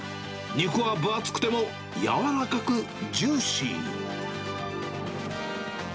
肉は分厚くても柔らかくジューシー。